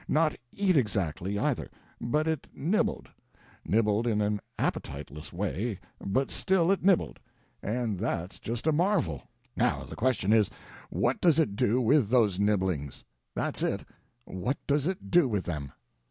Not eat, exactly, either, but it nibbled; nibbled in an appetiteless way, but still it nibbled; and that's just a marvel. Now the question is, what does it do with those nibblings? That's it—what does it do with them?